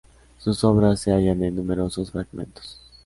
Sus obras se hallan en numerosos fragmentos.